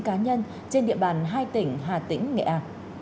cả nhân trên địa bàn hai tỉnh hà tĩnh nghệ a